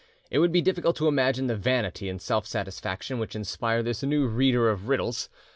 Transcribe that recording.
It would be difficult to imagine the vanity and self satisfaction which inspire this new reader of riddles.